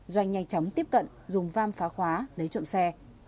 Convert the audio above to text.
doanh nhanh chóng tiếp cận dùng vam phá khóa lấy trộm xe